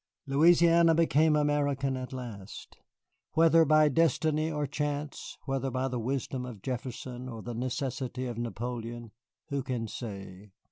Louisiana became American at last. Whether by destiny or chance, whether by the wisdom of Jefferson or the necessity of Napoleon, who can say?